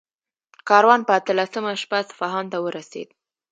کاروان په اتلسمه شپه اصفهان ته ورسېد.